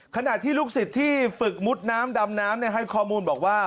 ขณะที่ลูกศิษย์ที่ฝึกมุดน้ำดำน้ำให้ข้อมูลบอกว่า